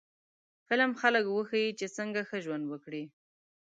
فلم خلک وښيي چې څنګه ښه ژوند وکړي